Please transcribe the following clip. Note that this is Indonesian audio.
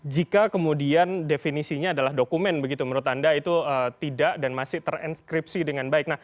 jika kemudian definisinya adalah dokumen begitu menurut anda itu tidak dan masih terenskripsi dengan baik